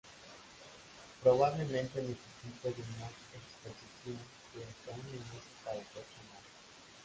Probablemente necesitó de una exposición de hasta un minuto para poder tomarla.